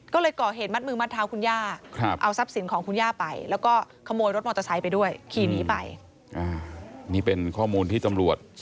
ก็เลยก่อเหตุมัดมือมัดเท้าคุณย่า